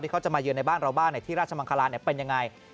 ที่เขาจะมายืนในบ้านเราบ้างที่ราชมังคลาร์เนี่ยเป็นยังไง